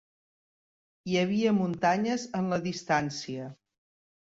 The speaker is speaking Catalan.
Hi havia muntanyes en la distància.